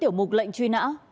tiểu mục lệnh truy nã